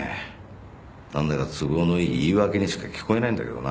何だか都合のいい言い訳にしか聞こえないんだけどな。